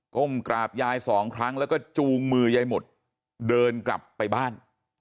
้มกราบยายสองครั้งแล้วก็จูงมือยายหมุดเดินกลับไปบ้าน